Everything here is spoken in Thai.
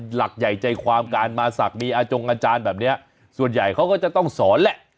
หลักใหญ่ใจความการมาศักดิ์มีอาจงอาจารย์แบบนี้ส่วนใหญ่เขาก็จะต้องสอนแหละ